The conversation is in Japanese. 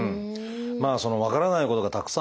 まあ分からないことがたくさんある。